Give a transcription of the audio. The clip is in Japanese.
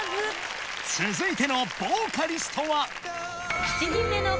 続いてのボーカリストは７人目の。